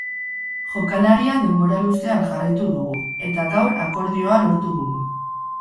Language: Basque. Jokalaria denbora luzean jarraitu dugu, eta gaur akordioa lortu dugu.